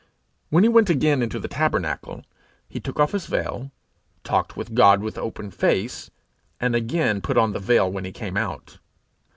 When he went again into the tabernacle, he took off his veil, talked with God with open face, and again put on the veil when he came out.